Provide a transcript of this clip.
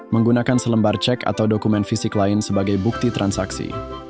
menggunakan selembar cek atau dokumen fisik lain sebagai bukti transaksi